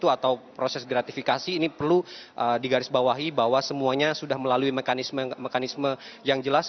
atau proses gratifikasi ini perlu digarisbawahi bahwa semuanya sudah melalui mekanisme yang jelas